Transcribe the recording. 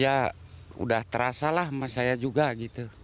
ya udah terasa lah sama saya juga gitu